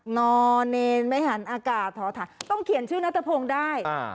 นอนเนรไม่หันอากาศต้องเขียนชื่อนัทพงศ์ได้